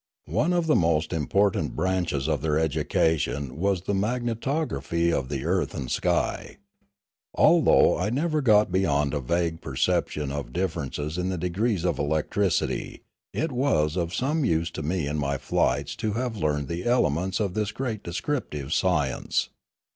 One of the most important branches of their education was the magnetography of the earth and sky. Although I never got beyond a vague per ception of differences in the degrees of electricity, it was of some use to me in my flights to have learned the elements of this great descriptive science.